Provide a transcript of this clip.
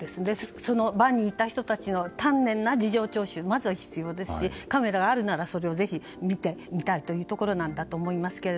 その場にいた人たちへの丹念な事情聴取がまず必要ですしカメラがあるならそれをぜひ見てみたいですが。